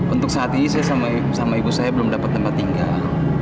untuk saat ini saya sama ibu saya belum dapat tempat tinggal